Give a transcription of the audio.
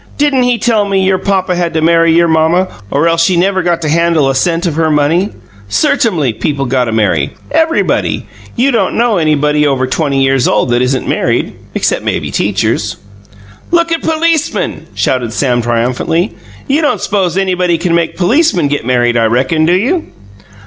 "Didn't he tell me your papa had to marry your mamma, or else he never'd got to handle a cent of her money? Certumly, people gotta marry. Everybody. You don't know anybody over twenty years old that isn't married except maybe teachers." "Look at policemen!" shouted Sam triumphantly. "You don't s'pose anybody can make policemen get married, I reckon, do you?"